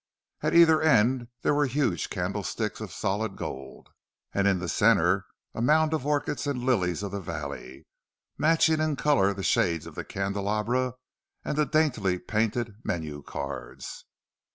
At either end there were huge candlesticks of solid gold, and in the centre a mound of orchids and lilies of the valley, matching in colour the shades of the candelabra and the daintily painted menu cards.